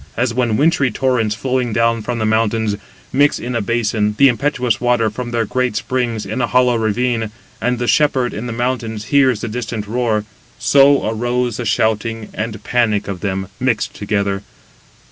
As when wintry torrents flowing down from the mountains, mix in a basin the impetuous water from their great springs in a hollow ravine, and the shepherd in the mountains hears the distant roar—so arose the shouting and panic of them, mixed together.